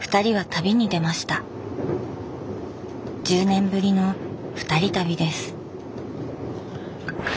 １０年ぶりのふたり旅です。